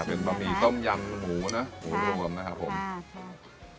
เป็นบะหมี่ต้มยำหมูนะหมูรวมนะครับผมค่ะ